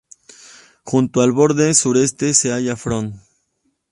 Junto al borde sureste se halla Frost.